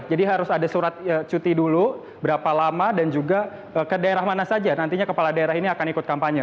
jadi harus ada surat cuti dulu berapa lama dan juga ke daerah mana saja nantinya kepala daerah ini akan ikut kampanye